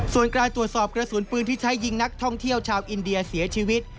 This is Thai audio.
ส่วนการตรวจสอบกระสุนปืนที่ใช้ยิงนักท่องเที่ยวชาวอินเดียเสียชีวิต